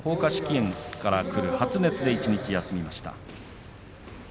炎からくる発熱で一日休みました。